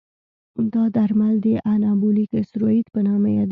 دا درمل د انابولیک استروئید په نامه یادېږي.